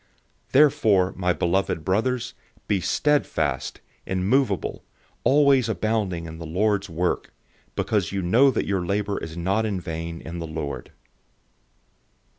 015:058 Therefore, my beloved brothers, be steadfast, immovable, always abounding in the Lord's work, because you know that your labor is not in vain in the Lord.